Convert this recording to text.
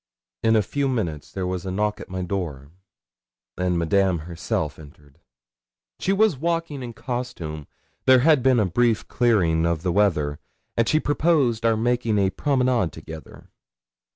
In a few minutes there was a knock at my door, and Madame herself entered. She was in walking costume. There had been a brief clearing of the weather, and she proposed our making a promenade together.